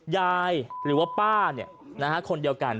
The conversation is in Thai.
ยายหรือว่าป้าเนี่ยคนเดียวกัน